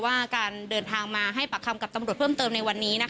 ว่าการเดินทางมาให้ปากคำกับตำรวจเพิ่มเติมในวันนี้